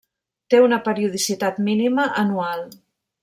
Té una periodicitat mínima anual.